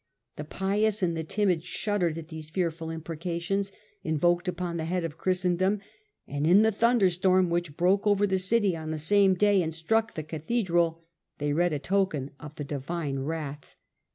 The pious and the timid shuddered at these fearful imprecations invoked upon the head of Christen dom, and in the thunderstorm which broke over the city on the same day and struck the cathedral, they read a token of the divine wrath.